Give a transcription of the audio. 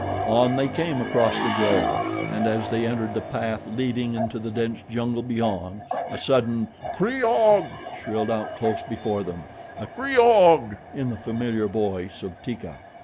On they came across the grove, and as they entered the path leading into the dense jungle beyond, a sudden "Kreeg ah!" shrilled out close before them a "Kreeg ah" in the familiar voice of Teeka.